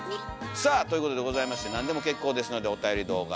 さあということでございまして何でも結構ですのでおたより動画